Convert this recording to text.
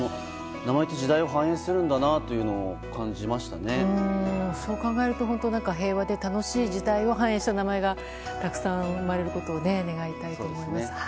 名前って時代を反映しているんだなってそう考えると平和で楽しい時代を反映した名前がたくさん生まれることを願いたいと思います。